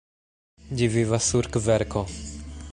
Ĝi vivas sur kverko.